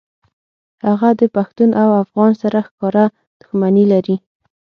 هغه د پښتون او افغان سره ښکاره دښمني لري